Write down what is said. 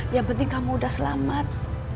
yang penting kamu udah selamat